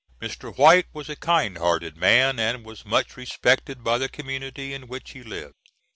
Mr. White was a kindhearted man, and was much respected by the community in which he lived.